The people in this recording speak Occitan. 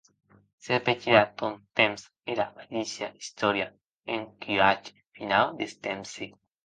Se repetirà tostemp era madeisha istòria enquiath finau des tempsi.